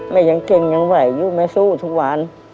ยังเก่งยังไหวอยู่แม่สู้ทุกวัน